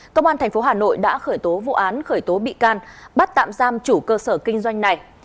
công an tp hà nội đã khởi tố vụ án khởi tố bị can bắt tạm giam chủ cơ sở kinh doanh này